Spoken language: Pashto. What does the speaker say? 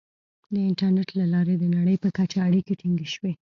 • د انټرنیټ له لارې د نړۍ په کچه اړیکې ټینګې شوې.